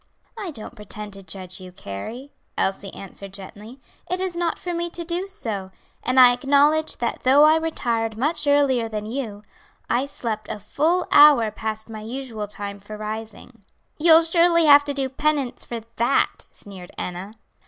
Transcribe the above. "I don't pretend to judge you, Carrie," Elsie answered gently, "it is not for me to do so; and I acknowledge that though I retired much earlier than you, I slept a full hour past my usual time for rising." "You'll surely have to do penance for that," sneered Enna.